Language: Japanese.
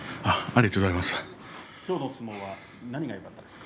ありがとうございます。